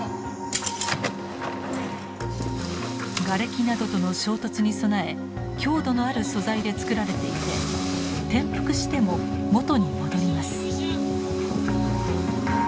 がれきなどとの衝突に備え強度のある素材で作られていて転覆しても元に戻ります。